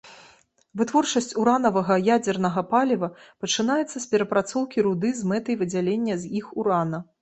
Вытворчасць уранавага ядзернага паліва пачынаецца з перапрацоўкі руды з мэтай выдзялення з іх урана.